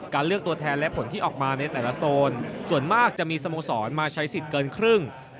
เลือกตัวแทนและผลที่ออกมาในแต่ละโซนส่วนมากจะมีสโมสรมาใช้สิทธิ์เกินครึ่ง